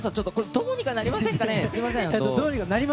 どうにかなりません。